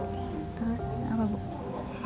lihat pekerja keras gitu ya